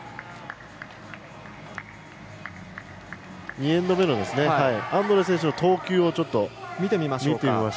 ２エンド目のアンドレイチク選手の投球を見てみましょうね。